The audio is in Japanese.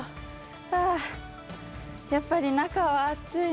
はあやっぱり中は暑いな。